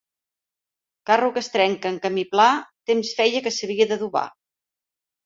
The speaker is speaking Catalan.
Carro que es trenca en camí pla, temps feia que s'havia d'adobar.